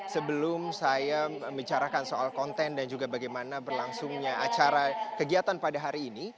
sebelum saya membicarakan soal konten dan juga bagaimana berlangsungnya acara kegiatan pada hari ini